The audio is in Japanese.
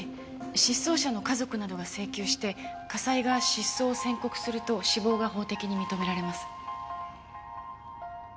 失踪者の家族などが請求して家裁が失踪を宣告すると死亡が法的に認められます。